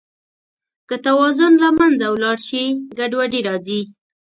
که توازن له منځه ولاړ شي، ګډوډي راځي.